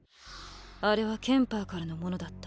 あれはケンパーからのものだった。